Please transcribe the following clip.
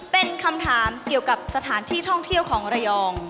เป็นคำถามเกี่ยวกับสถานที่ท่องเที่ยวของระยอง